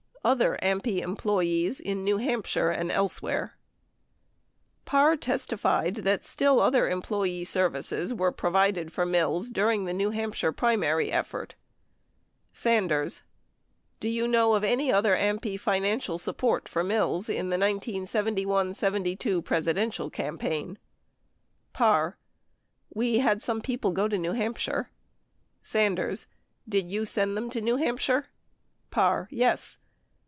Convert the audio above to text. OTHER AMPI EMPLOYEES IN NEW HAMPSHIRE AND ELSEWHERE Parr testified that still other employee services were provided for Mills during the New' Hampshire primary effort. Sanders. ... do you know of any other AMPI financial support for Mills in the 1971 72 Presidential campaign ?Parr. We had some people go to New Hampshire. Sanders. Did you send them to New Hampshire ? Parr. Yes.